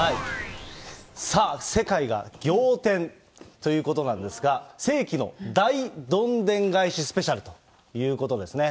さあ、世界が仰天ということなんですが、世紀の大どんでん返しスペシャルということですね。